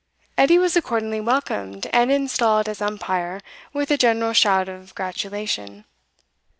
Edie was accordingly welcomed, and installed as umpire, with a general shout of gratulation.